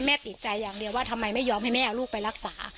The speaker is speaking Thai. ติดใจอย่างเดียวว่าทำไมไม่ยอมให้แม่เอาลูกไปรักษา